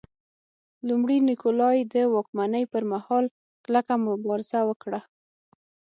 لومړي نیکولای د واکمنۍ پرمهال کلکه مبارزه وکړه.